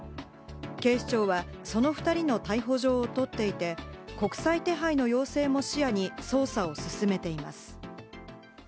警視庁はその２人の逮捕状を取っていて、国際手配の要請も視野に捜査を進めています。